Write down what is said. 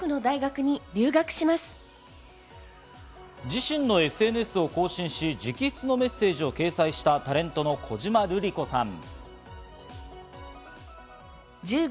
自身のＳＮＳを更新し、直筆のメッセージを掲載したタレントの小島瑠璃子さん。